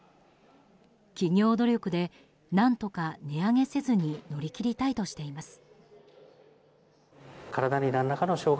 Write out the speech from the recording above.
企業努力で何とか値上げせずに乗り切りたいとしています。